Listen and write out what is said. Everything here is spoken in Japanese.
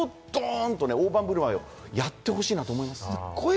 多少ドンっと大盤振る舞いをやってほしいなと思います。